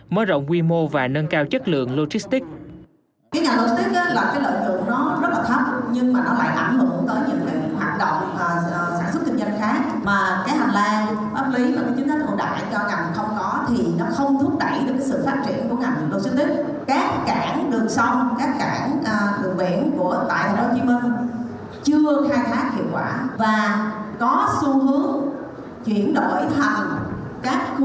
mở rộng quy mô và nâng cao chất lượng logistics